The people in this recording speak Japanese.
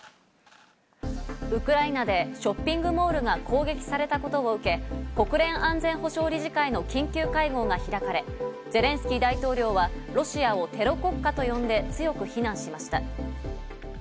ウクライナでショッピングモールが攻撃されたことを受け、国連安全保障理事会の緊急会合が開かれ、ゼレンスキー大統領はロシアをテロ国家と呼んで、強く非難しました。